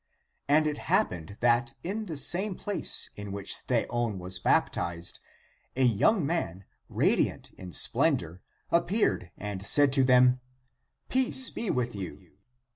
And it happened that in the same place in which Theon was baptized, a young man, radiant in splendor, appeared, and said to them, "Peace (be) with you!"